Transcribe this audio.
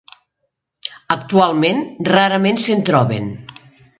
Actualment rarament se'n troben.